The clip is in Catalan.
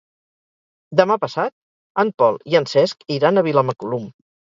Demà passat en Pol i en Cesc iran a Vilamacolum.